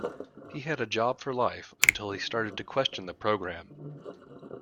He had a job for life, until he started to question the programme